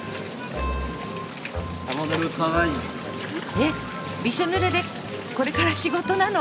えっびしょぬれでこれから仕事なの？